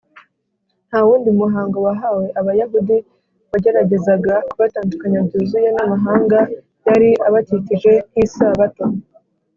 nta wundi muhango wahawe abayahudi wageragezaga kubatandukanya byuzuye n’amahanga yari abakikije nk’isabato